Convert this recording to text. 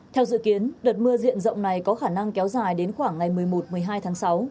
theo dự kiến đợt mưa diện rộng này có khả năng kéo dài đến khoảng ngày một mươi một một mươi hai tháng sáu